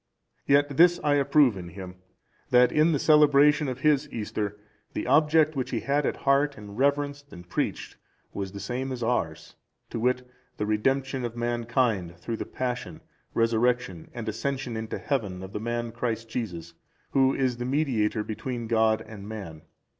(375) Yet this I approve in him, that in the celebration of his Easter, the object which he had at heart and reverenced and preached was the same as ours, to wit, the redemption of mankind, through the Passion, Resurrection and Ascension into Heaven of the Man Christ Jesus, who is the mediator between God and man.